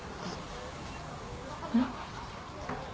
うん？